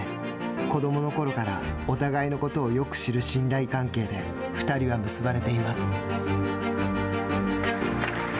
子どものころからお互いのことをよく知る信頼関係で２人は結ばれています。